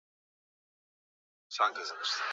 Hawataki uongo.